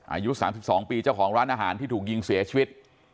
อายุ๓๒ปีเจ้าของร้านอาหารที่ถูกยิงเสียชีวิต